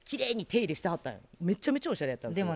めちゃめちゃおしゃれやったんですよ。